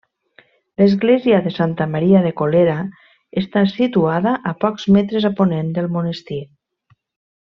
L'església de Santa Maria de Colera està situada a pocs metres a ponent del monestir.